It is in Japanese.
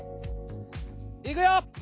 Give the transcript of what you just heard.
いくよ